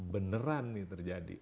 beneran ini terjadi